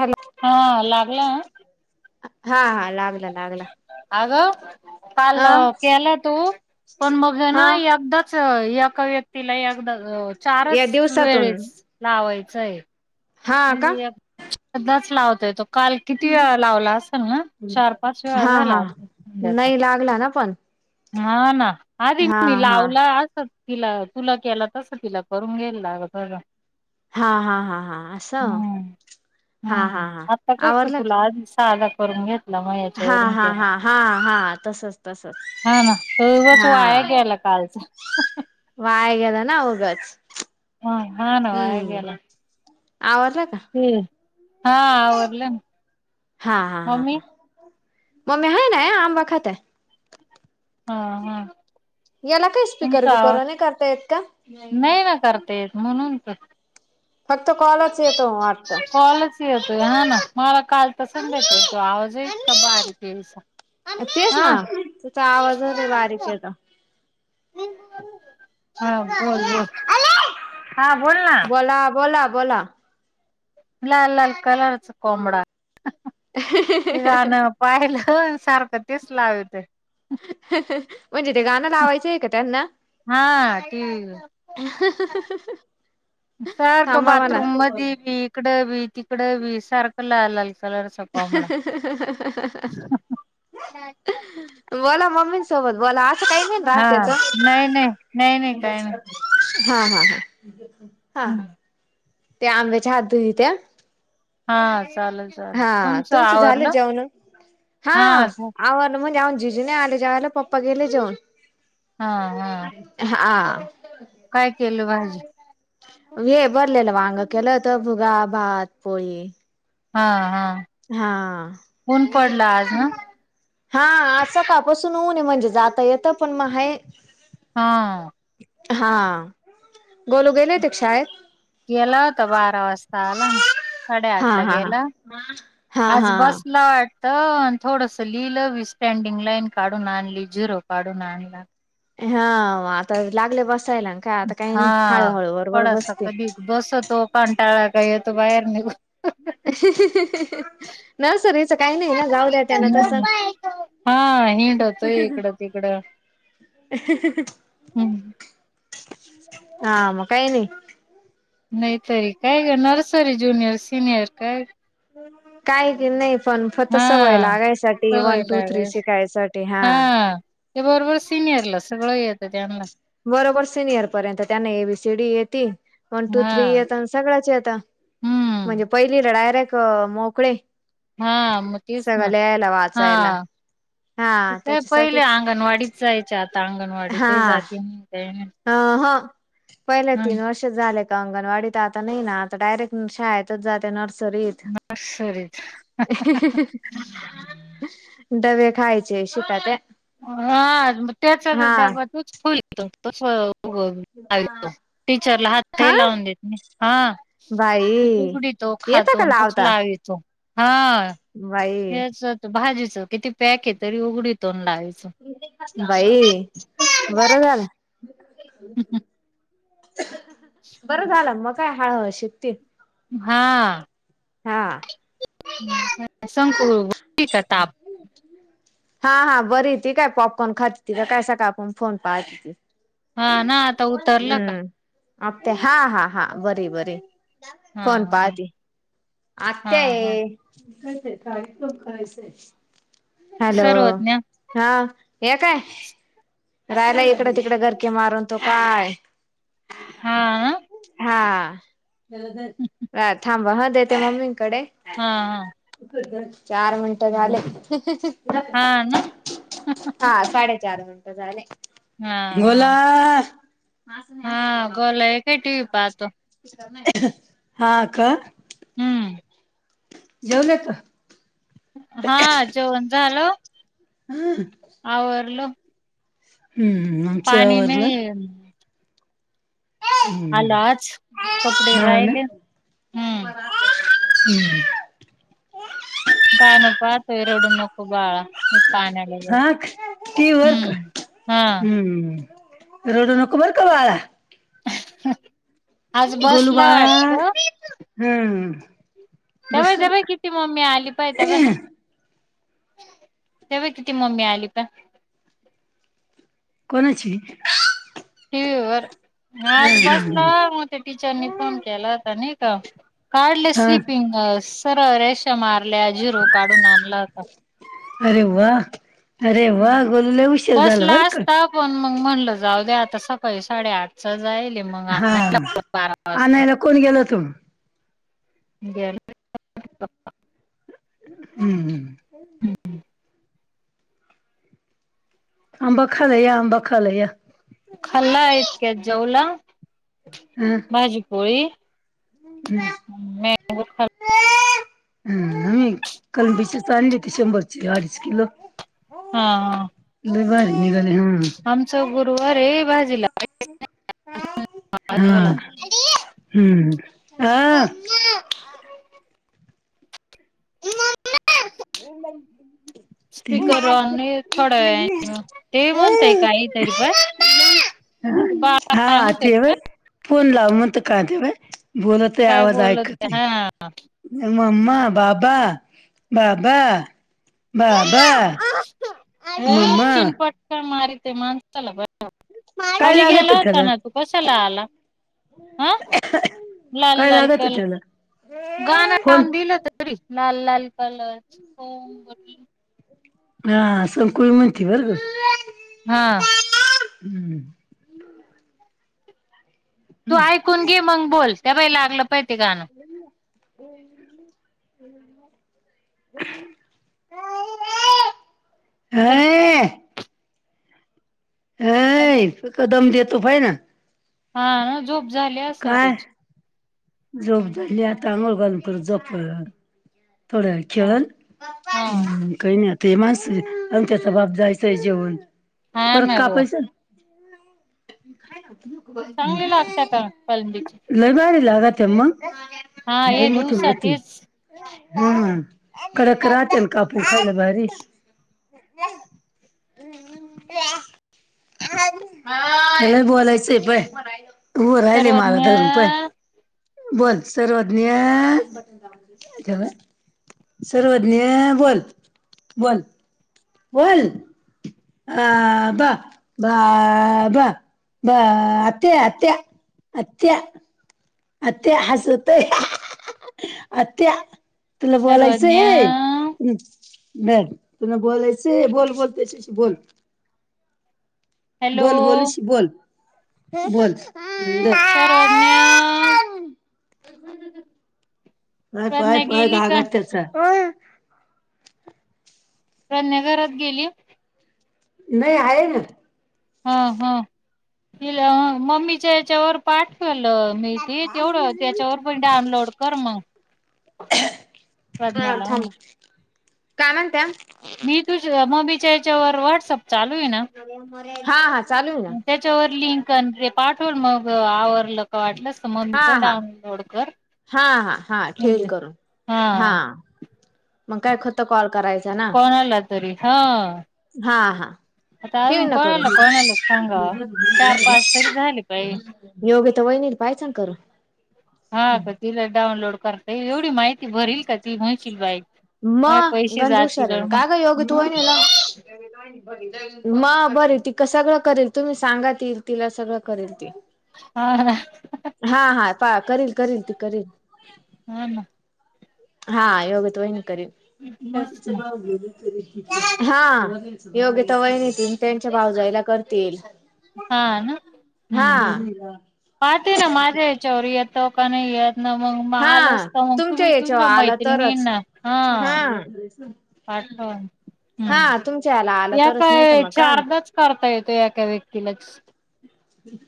Hello हा लागला हा हा लागला लागला अगं काल हा केलं तू पण बघ ना हा एकदाच एका व्यक्तीला या चारच दिवसातून वेळेस लावायचंय हा का सधाच लावतय तो काल किती वेळा लावला असेल ना चार पाच वेळा हा झाला हा असल संध्याचा नाही लागला ना पण हा ना आधी हा मी हा लावलं. असंकी तिला तुला केला तस तिला करून घेल लाग. हा हा हा हा असं हा हम्म हा हा आता कसं आवरडल ग तुला आधी साधा करून घेतला मग हा याच्यावरून हा केला हा हा हा तसच तसच हा ना तगच हा वाया ग्याला कालच वाया गेला ना होगच हा हा नव आहेेला आवाज आहे का हा आडले मम्मी मग महा ना आम वखत आहे. हा हा याला काय स्पकर तुमचा बिक आवाज नाही करता येत का नाही ना करता येत म्हणून का फक्त कॉलच येतो आटता कॉलच येतोय हा ना मला काल तर समजायच तो आवाज येत का बारीकचा तेच ना त्याचा आवाज र बारीकचा हा बोल ब बोला बोला बोला लाल लाल कलरचा कोंबडा ति गाण पाहिलं. सारखं तेच लावेत [unintelligible] म्हणजे ते गाणं लावायचंय का त्यांना हा टीव्ही सारखं थांबा म्हणा बाथरूम म बी इकड बी तिकड बी सारखं लाल कलरचा कोंबडा. [unintelligible] बोला मम्मीं सोबत बोला काही नाही हा राहते तर नाही नाही नाही नाही काही नाही. हा हा हा हा ह हम्म. ते आंब्याच्या हात दु त्या हा चालेल चालेल हा तुमचं झालं आवरलं जेवण हा आवा म्ह ऊन जिजून आले जेवला पप्पा गेले जेऊन हा हा. हा काय केलं भाजी हे बरलेलं वांग केलं होत भुगा भात पोळी हा हा ऊन हा पडलं आज ना हा असं कापसून होऊ नये म्हणजे जाता येत पण मग हे हा. हा गोलू गेले ते शाळेत गेला होता बारा वाजता आला ना हा साडेआठ ला हा हा गेला हा आज हा बसल वा थोडस लिहिलंी स्टँडिंग लाईन काढून आणली झिरो काढून आणला हा आता लागल्या बस हा पडासा बसतील. कधी बस तो पण टाळा काय य तो बाहेर निघ नर्सरीच काही नाही ना जाऊ द्या त्यांना तस अ हा हिंडतोय इकडं तिकडं हम्म ह म काय नाही नाहीतरी काय का नर्सरी ज्युनियर सिनियर काय काय ते नाही पणफत हा सवय लागायसाठी सवय वन टू थ्री लागायच शिकायसाठी हा ते बरोबर सिनियरला सगळं येतं त्यांना बरोबर सिनियर पर्यंत त्याना एबी सीडी यती वन टू हा थ्री आता सगळ्याचे आता हम्म म्हणजे पहिली ला डायरेक्ट एक मोकळे हा मतीस सगळं ना लिहायला हा वाचायला हा त काय पहिले त्याच्यासाठीच अंगणवाडीच जायचे आता अंगणवाडीतही हा जाते अ ह पहिल्या हा तीन वर्ष झाल्या अंगणवाडीत आता नाही ना आता डायरेक्ट शाळेतच जाते नर्स सरीेत नर्सरी ही ही ही डबे खायचे शिकात हा ग त्याचा तर डबा तूच फुल येतो तस टीचरला हात हा नाही लावून देत हा बाई त उघडीतो येता खातो तोच लावितो हा बा हेच भाजीच किती पॅक आहे तरी उघडी तोन लायच बाई बरं झालं बरं झालं मग काय हळु शेतती हा हा शंकु कता हा हा बरी ती काय पॉपकॉर्न खात ति का काय सकाळपासून फोन पाह त हा ना आता उतरलं का आ हा हा हा बरी बरी हा फोन हा पाहते हा आत्या हा हाय यच काही लन करायचंय हॅलो सर्वज्ञ हा ये काय राहिला इकडं तिकड घरकीे मारून तो काय हा हा थांब ह देते मम्मी कडे हा चार मिनटं हा झाले हा ना हा साडेचार मिनट झाले हा हा बला हा गला आहे काही टी व पाहतो हा का हम्म जऊन येतो हा जेवण झाल हम्म हम्म आमच पाणी आवरल नाही आलं हम् आज कपडे ह ना राहिले हम्म हम्म का न पा ते रडू नको बाळा पाण्याला जाते हा क वर का हम्म हा हम्म रडू नको बरं का बाळा आज बस गोलू ना बाळा वाटत हम्म तेव बस तेव किती मम्मी आली पाय तेव तेव्हा किती मम्मी आली प कोणाची? र आज बसला मग ते टीचरनी फोन केला होता नाही का. कार्ले हा स्लीपिंग असं सर रेशा मारल्या झिरो काढून आणला होता. अरे वा अरे वा गोलू लाई उशीर झाला बसला बर का. असता पण मग म्हणलं जाऊ द्या आता सकाळी साडेआठचं जाईल मग हा आणायला मग बारा वाजता. आणायला कोण गेला तो गेल [inaudible] हम्म हम्. हम्म. आंबा खायला या आंबा खायला या. खाल्ला इतक्यात जेवला हं भाजीपोळी. मँगो खाल्. हम् कलबीचीच आणली होती शंभरची अडीच किलो. हा हा. लय भारी निघाले आमचा गुरुवार हाय भाजीला हा हा. हम्म आ. [inaudible] [inaudible] स्पीकर ऑन आहे थोड्या वेळाने ते हू. म्हणताय काहीतरी बस बाळ काय हा म्हणतय ते व्हय फोन लाव म्हणतं का दे. काय बोल ते हा. मम्मा बाबा बाबा बाबा. हो. मम्मा चिनपट का मारित माणसाला ब काय खाली लागत गेला होता त्याला ना तू, कशाला आला? हा लाल काय लाल लागत कल. त्याला गाणं फोन लाावून दिलं तरी, लाल लाल कलर ची बांगडी. हा संकुळी म्हणती बर हा. हम्म. तू ऐकून घे मग बोल ते बघ लागलं पाहि ते गाणं. [unintelligible] [inaudible] हय. हय तो कदम देतो फय ना. हा हा झोप झाली असल काय त्याची. झोप झाली आता अंघोळ घालून परत झोपल. थोड्या वेळ हा खेळन हा काही नाही आता ते माणस आणि त्याचा बाप जायचंय जेवण हा परत ना ग कापायचं खाय ना. नको चांगली बाय लागता का कलंदीची लय बारी लागत्यान मग? हा बरी या मोटुन दिवसात होती. हेच हम कडक राहतेन कापून खायला भारी. [inaudible] ह ह्याला बोलायचं हाय पाय. उभ राहिलय माग सर्वज्ञ धरून पाय. बोल सर्वज्ञ. ते बघ सर्वज्ञ बोल बोल बोल. हआबा बाबा बा आत्या हाय आत्या अत्या-अत्या हसतय [unintelligible] आत्या. तुला बोलायचं सर्वज्ञ हम धर तुला बोलायच बोल-बोल तेच्याशी बोल हॅलो बोल गोलूशी बोल-बोल सर्वज्ञ, नाहीय प्रज्ञा पय-पय गेली घा का त्याचा प्रज्ञा घरात गेली. नाही आहे ना. हा-हा तीला मम्मीच्या याच्यावर. पाठवलं मी ते तेवढं त्याच्यावर पण डाउनलोड कर मग. हा प्रज्ञाला थांब काय म्हणता मी तुझ मम्मीच्या याच्यावर व्हॉट्सअप चालू आहे ना. हा हा चालू आहे ना त्याच्यावर लिंक न ते पाठवल मग आवरलं का वाटलंस. मम्मीच डाऊनलोड कर. हा-हा-हा ठेवेल म्हणजे करून हा. मग काय खत कॉल करायचा ना कोणाला तरी हा हा-हा. आता ठेव अजून ना करून कोणाला कोणाला सांगावा चार पाच तरी झाले पाहिजे योग. त्या वहिणीन पाहिच ना करून. हा का तिला डाऊनलोड करता ईल एवढी माहिती भरील का ती म्हणशील बाई. माये मग पैसे गंज हुशार जातील आहे हा ना, काय ग योगा तू वहिनीला. म बर तिकं सगळं करेल तुम्ही सांगा ती तिला सगळं करेल ती. हा, ह. हा-हा पा करील-करील ती करील. हा ना हा योगिता वहिनी करील, मग तेच ना सगळ हा योगिता वहिन ते त्यांच्या भाऊजाईला करतील. हा ना हा हम्म हम पाते ना माझ्या याच्यावर येत सोप नाहीयेत. ना मग माल हा असतो, मग तुम्ही याच्यावर तुमच्या आला तरच मैत्रिणींना ह हा पाठवा हम्म, हा तुमच्या याला आला या तरच नाही तर काय मग का ना चारदाच करता येतो एका व्यक्तीलाच.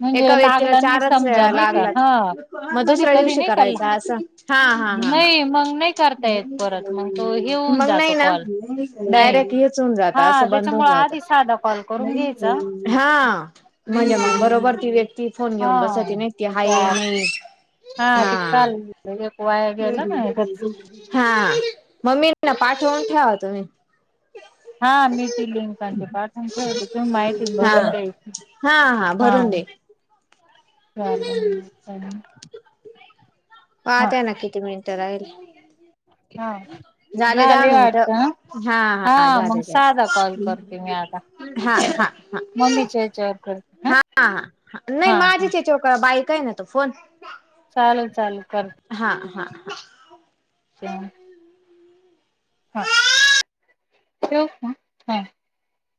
म्हणजे एका व्यक्तीला लागला नाही चारच समजा वेळा नाही का हा लागलात मग कधी दुसऱ्या कधी दिवशी नाही का करायचा असं. हा-हा ह नाही मग नाही करता येत परत मग तो हे होऊन मग नाही जातो ना कॉल नाही डायरेक्ट. हेच होउन जात हा असं बंद होऊन त्याच्यामुळे जातं, आधी साधा कॉल करून घ्यायचा हा म्हणजे हम्म. मग बरोबर वरती व्यक्ती फोन हा घेऊन बसती नाही ती मग हाय त्या नाही हा ते हा-हा-हा काल एक वाया गेला ना एकच मम्मी पाठोण ठेवा तुम्ही हा मी ती लिंक न ते पाठवून ठेवते, तुम्ही माहिती हा भरून द्यायची. हा हा भरून दे. चालण पाहते ना किती मिनटं राहीले. हा, झाले दहा मिनट वाटत ना. हा-हा हा मग झाले साधा कॉल झाले. करते मी आता हा-हा-हा मम्मीच्या याच्यावर करते हा नाही हा माझीच याच्या वर करा बाई कडेय ना तो फोन चालेल-चालेल कर. [inaudible] ह, हा ठेवू फोन.